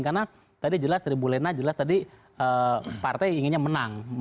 karena tadi jelas dari bu lena jelas tadi partai inginnya menang